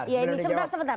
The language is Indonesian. ya ini sebentar sebentar